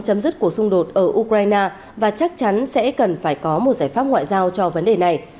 chấm dứt cuộc xung đột ở ukraine và chắc chắn sẽ cần phải có một giải pháp ngoại giao cho vấn đề này